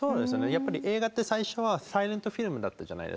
やっぱり映画って最初はサイレントフィルムだったじゃないですか。